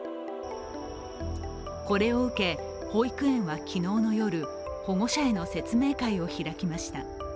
これを受け、保育園は昨日の夜、保護者への説明会を開きました。